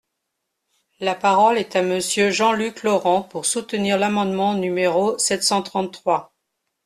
La parole est à Monsieur Jean-Luc Laurent, pour soutenir l’amendement numéro sept cent trente-trois.